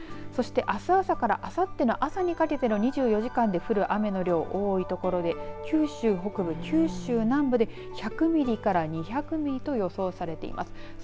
そしてあす朝からあさっての朝にかけての２４時間で降る雨の量多い所で九州北部九州南部で１００ミリから２００ミリと予想されています。